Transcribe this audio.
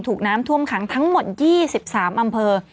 ถูกน้ำท่วมขังทั้งหมด๒๓อำเภอ